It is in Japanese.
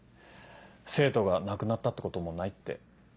生徒が亡くなったってこともないって。